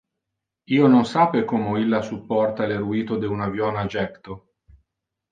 Io non sape como illa supporta le ruito de un avion a jecto.